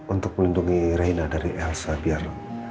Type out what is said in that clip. untuk melindungi rehina dari elsa biar